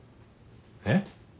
えっ？